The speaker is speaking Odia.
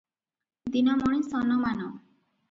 ଦିନମଣି ସନମାନ?